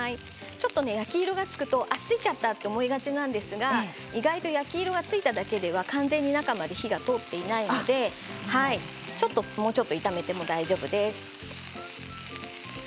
焼き色がつくとついちゃったと思いがちなんですが意外と焼き色がついただけでは完全に中まで火が通っていないのでもうちょっと炒めても大丈夫です。